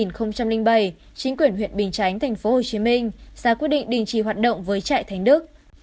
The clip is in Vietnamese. năm hai nghìn bảy chính quyền huyện bình chánh tp hcm ra quyết định đình chỉ hoạt động với trại thánh đức